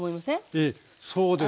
ええそうです。